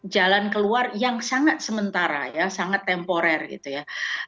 jalan keluar yang sangat sementara ya sangat temporer gitu ya